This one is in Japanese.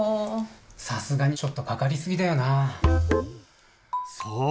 さすがにちょっとかかりすぎそう。